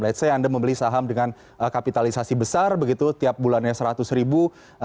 let's say anda membeli saham dengan kapitalisasi besar begitu tiap bulannya seratus ribu